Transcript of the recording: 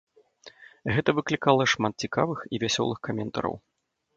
Гэта выклікала шмат цікавых і вясёлых каментараў.